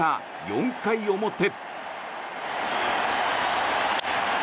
４回表。